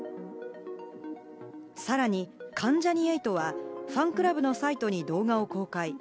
さらに関ジャニ∞は、ファンクラブのサイトに動画を公開。